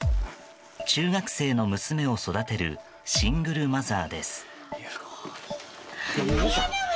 中学生の娘を育てるシングルマザーです。